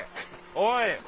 おい！